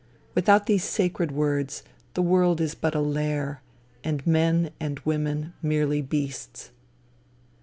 without these sacred words, the world is but a lair, and men and women merely beasts.